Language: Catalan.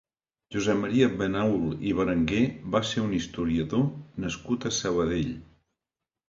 Josep Maria Benaul i Berenguer va ser un historiador nascut a Sabadell.